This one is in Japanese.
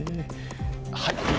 はい。